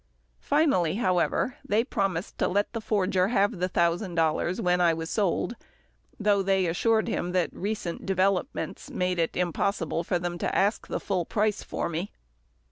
Finally, however, they promised to let the forger have the thousand dollars when I was sold, though they assured him that recent developments made it impossible for them to ask the full price for me.